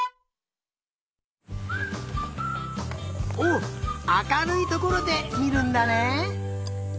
おあかるいところでみるんだね。